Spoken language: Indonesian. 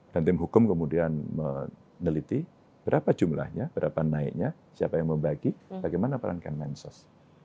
dan tim hukum kemudian meneliti berapa jumlahnya berapa naiknya siapa yang membagi bagaimana perankan bahan sos